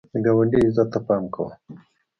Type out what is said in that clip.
د ګاونډي عزت ته پام کوه